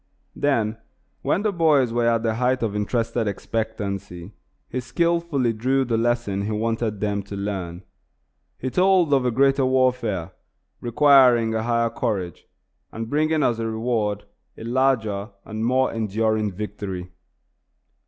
Then, when the boys were at the height of interested expectancy, he skilfully drew the lesson he wanted them to learn. He told of a greater warfare, requiring a higher courage, and bringing as a reward a larger and more enduring victory.